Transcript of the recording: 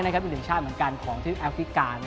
อีกหนึ่งชาติเหมือนกันของทริปแอฟริกา